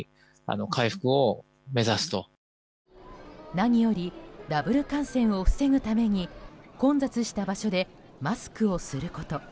何よりダブル感染を防ぐために混雑した場所でマスクをすること。